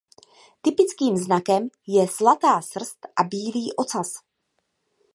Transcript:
Typickým znakem je zlatá srst a bílý ocas.